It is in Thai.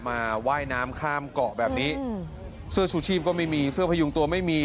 ว่ายน้ำข้ามเกาะแบบนี้เสื้อชูชีพก็ไม่มีเสื้อพยุงตัวไม่มี